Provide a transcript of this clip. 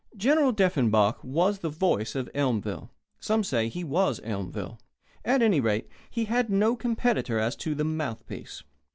General Deffenbaugh was the Voice of Elmville. Some said he was Elmville. At any rate, he had no competitor as the Mouthpiece.